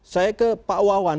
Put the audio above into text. saya ke pak wawan